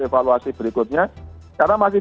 evaluasi berikutnya karena masih